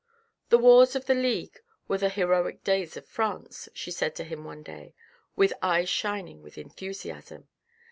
" The wars of the League were the heroic days of France," she said to him one day, with eyes shining with enthusiasm.